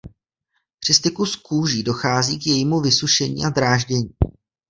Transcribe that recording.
Při styku s kůží dochází k jejímu vysušení a dráždění.